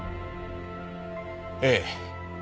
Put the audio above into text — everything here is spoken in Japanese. ええ。